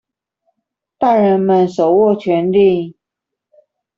大人們手握權利